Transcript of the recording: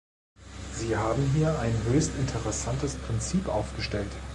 Sie haben hier ein höchst interessantes Prinzip aufgestellt.